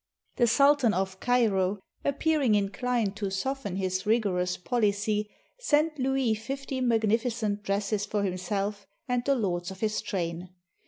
The Sultan of Cairo, appearing inclined to soften his rigorous policy, sent Louis fifty magnificent dresses for himself and the lords of his train.